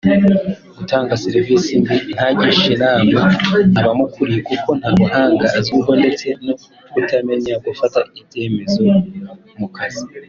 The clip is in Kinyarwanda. gutanga service mbi ntagishe inama abamukuriye kuko ntabuhanga azwiho ndetse no kutamenya gufata ibyemezo mu kazi